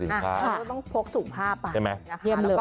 เดี๋ยวเราต้องพกถุงผ้าไป